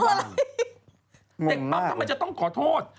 เด็กปั๊บทำไมจะต้องขอโทษ